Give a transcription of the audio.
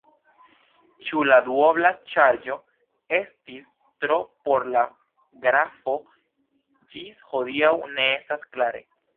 Ĉu la duobla ŝarĝo estis tro por la grafo ĝis hodiaŭ ne estas klare.